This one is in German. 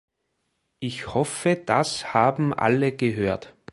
Ich hoffe, dass haben alle gehört.